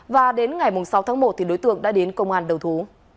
và đến ngày sáu tháng một đối tượng đã đến công an đầu thú